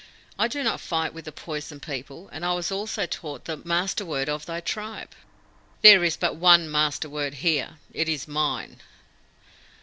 I do not fight with the Poison People, and I was also taught the Master word of thy tribe." "There is but one Master word here. It is mine!"